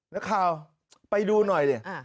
นักข่าวไปดูหน่อยเนี่ย